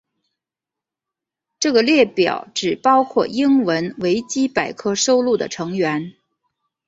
这个列表只包括英文维基百科收录的成员。